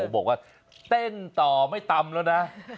บอกว่าเต้นต่อไม่ตำแล้วนะ